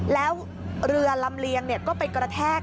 แล้วเรือลำเลียงก็ไปกระแทก